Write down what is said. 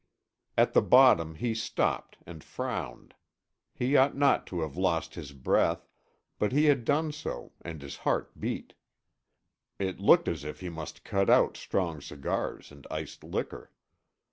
At the bottom he stopped and frowned. He ought not to have lost his breath, but he had done so and his heart beat. It looked as if he must cut out strong cigars and iced liquor.